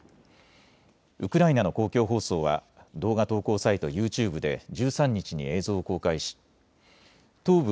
ウクライナの公共放送は動画投稿サイト、ユーチューブで１３日に映像を公開し東部